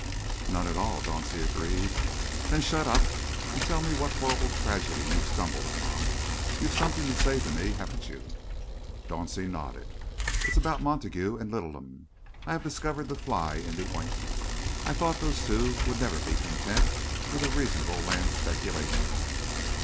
"None at all," Dauncey agreed. "Then shut up and tell me what horrible tragedy you've stumbled upon. You've something to say to me, haven't you?" Dauncey nodded. "It's about Montague and Littleham. I have discovered the fly in the ointment. I thought those two would never be content with a reasonable land speculation."